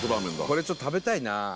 これちょっと食べたいなー